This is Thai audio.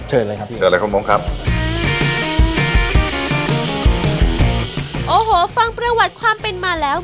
เชิญเลยครับโอ้โหฟังประวัติความเป็นมาแล้ว